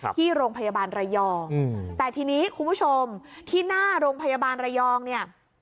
ที่โรงพยาบาลระยองแต่ทีนี้คุณผู้ชมที่หน้าโรงพยาบาลระยองเนี่ย